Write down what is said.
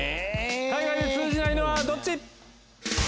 海外で通じないのはどっち？